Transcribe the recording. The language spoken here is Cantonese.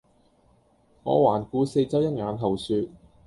我環顧四周一眼後說